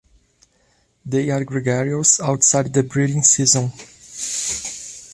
They are gregarious outside the breeding season.